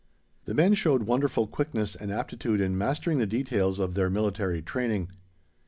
The men showed wonderful quickness and aptitude in mastering the details of their military training.